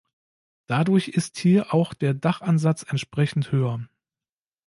Dadurch ist hier auch der Dachansatz entsprechend höher.